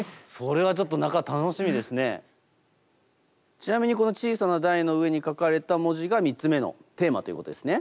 ちなみにこの小さな台の上に書かれた文字が３つ目のテーマということですね。